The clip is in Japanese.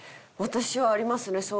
私はありますね